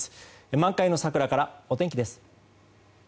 満開の桜からお天気です。